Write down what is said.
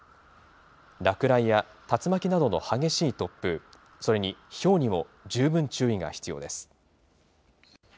落雷や竜巻などの激しい突風、それにひょうにも十分注意が必要です。